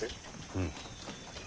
うん。